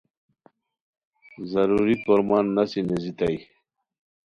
ضروری کورمان نسی نیزیتائے